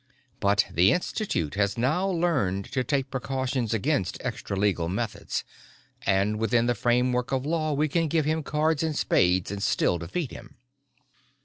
But the Institute has now learned to take precautions against extra legal methods and within the framework of the law we can give him cards and spades and still defeat him."